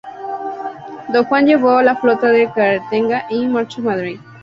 Don Juan llevó la flota a Cartagena y marchó a Madrid.